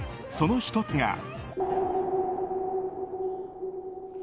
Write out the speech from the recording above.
その１つが。